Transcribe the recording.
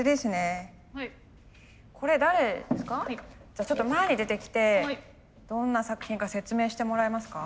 じゃあちょっと前に出てきてどんな作品か説明してもらえますか。